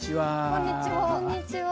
こんにちは。